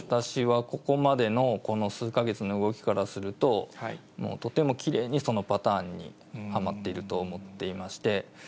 私はここまでのこの数か月の動きからすると、とてもきれいにそのパターンにはまっていると思っていまして。